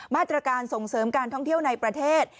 มาตรการส่งเสริมการท่องเที่ยวในประเทศ